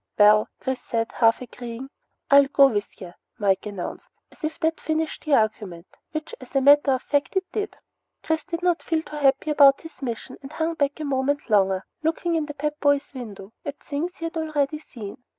"Well " Chris said, half agreeing. "I'll go with ya!" Mike announced, as if that finished the argument; which, as a matter of fact, it did. Chris did not feel too happy about his mission and hung back a moment longer, looking in the Pep Boys' window at things he had already seen.